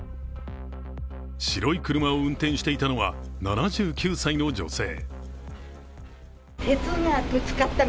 白い車を運転していたのは７９歳の女性。